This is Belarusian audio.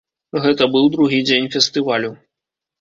Гэта быў другі дзень фестывалю.